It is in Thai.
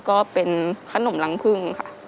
ก็เป็นขนมรังพึ่งค่ะ